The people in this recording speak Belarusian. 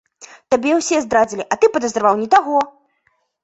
Табе ўсе здрадзілі, а ты падазраваў не таго!